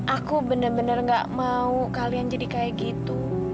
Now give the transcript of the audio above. aku bener bener gak mau kalian jadi kayak gitu